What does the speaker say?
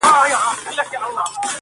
o کيسه د بحث مرکز ګرځي تل,